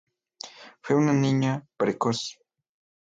Fue una niña precoz.